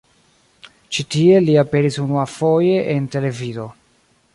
Ĉi tiel li aperis unuafoje en televido.